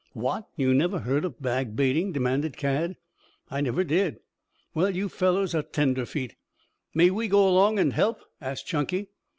"What! You never heard of bag baiting?" demanded Cad. "I never did." "Well, you fellows are tenderfeet!" "May we go along and help?" asked Chunky.